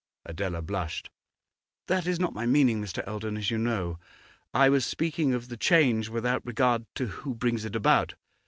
Adela blushed. 'That is not my meaning, Mr. Eldon, as you know. I was speaking of the change without regard to who brings it about.